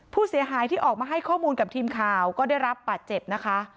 ผู้เสียหายที่ออกมาให้ข้อมูลกับทีมข่าวก็ได้รับบาดเจ็บนะคะ